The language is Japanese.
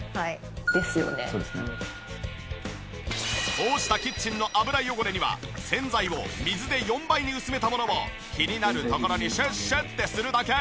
こうしたキッチンの油汚れには洗剤を水で４倍に薄めたものを気になるところにシュッシュッてするだけ。